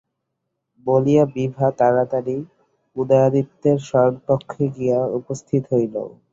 বলিয়া বিভা তাড়াতাড়ি উদয়াদিত্যের শয়নকক্ষে গিয়া উপস্থিত হইল।